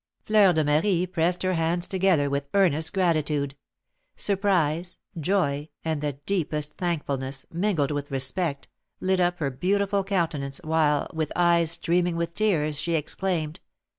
Fleur de Marie pressed her hands together with earnest gratitude. Surprise, joy, and the deepest thankfulness, mingled with respect, lit up her beautiful countenance, while, with eyes streaming with tears, she exclaimed: "M.